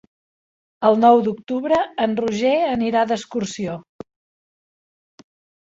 El nou d'octubre en Roger anirà d'excursió.